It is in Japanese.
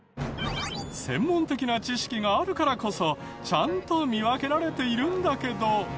専門的な知識があるからこそちゃんと見分けられているんだけど。